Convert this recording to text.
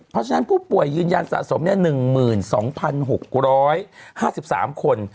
เพราะฉะนั้นผู้ป่วยยืนยันสะสม๑๒๖๕๓คน